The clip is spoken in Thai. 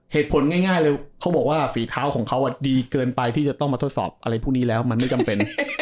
เหตุผลง่ายเลยเขาบอกว่าฝีเท้าของเขาดีเกินไปที่จะต้องมาทดสอบอะไรพวกนี้แล้วมันไม่จำเป็น